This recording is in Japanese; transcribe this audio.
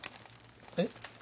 えっ？